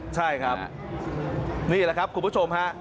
ใช่ครับนี่แหละครับคุณผู้ชมฮะ